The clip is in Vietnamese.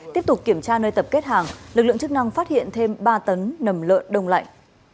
tiếp tục kiểm tra nơi tập kết hàng lực lượng chức năng phát hiện thêm ba tấn nầm lợn đông lạnh